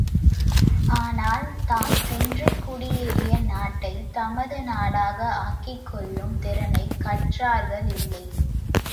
ஆனால், தாம் சென்று குடியேறிய நாட்டைத் தமது நாடாக ஆக்கிக் கொள்ளும் திறனைக் கற்றார்கள் இல்லை!